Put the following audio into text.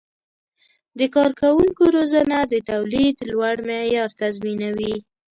د کارکوونکو روزنه د تولید لوړ معیار تضمینوي.